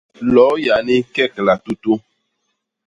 Loo yani kegla tutu.